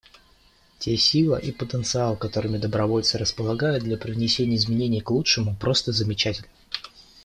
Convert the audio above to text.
Те сила и потенциал, которыми добровольцы располагают для привнесения изменений к лучшему, просто замечательны.